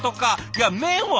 いや麺は？